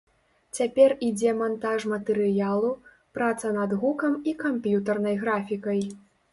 Цяпер ідзе мантаж матэрыялу, праца над гукам і камп'ютарнай графікай.